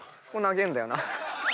そこ長えんだよな。